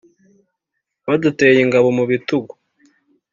baduteye ingabo mu bitugu